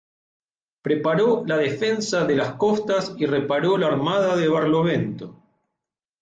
Preparó la defensa de las costas y reparó la armada de Barlovento.